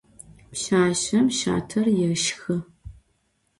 Pşsaşsem şater yêşşxı.